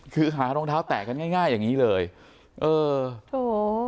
คือหารองเท้าแตะกันง่ายง่ายอย่างงี้เลยเออโถ